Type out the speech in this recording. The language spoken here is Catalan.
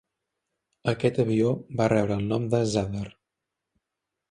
Aquest avió va rebre el nom de Zadar.